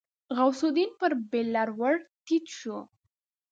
غوث الدين پر بېلر ور ټيټ شو.